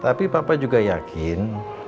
tapi papa juga yakin